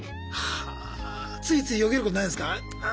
ついついよぎることないすか？